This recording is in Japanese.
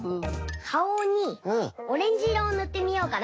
かおにオレンジいろをぬってみようかな。